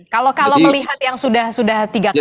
kalau melihat yang sudah tiga kali